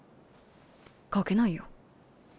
描けないよ。